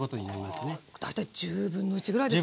大体１０分の１ぐらいですか？